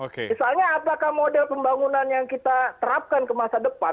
misalnya apakah model pembangunan yang kita terapkan ke masa depan